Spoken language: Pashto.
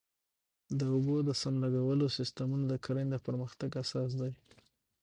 د اوبو د سم لګولو سیستمونه د کرنې د پرمختګ اساس دی.